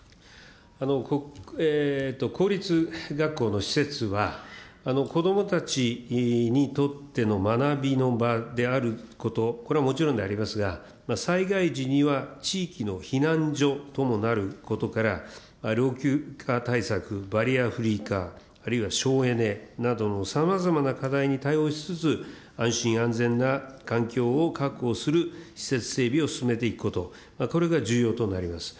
公立学校の施設は、こどもたちにとっての学びの場であること、これはもちろんでありますが、災害時には地域の避難所ともなることから、老朽化対策、バリアフリー化、あるいは省エネなどのさまざまな課題に対応しつつ、安心安全な環境を確保する施設整備を進めていくこと、これが重要となります。